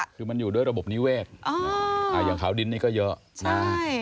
คือมันอยู่ด้วยระบบนิเวศอย่างขาวดินนี่ก็เยอะนะ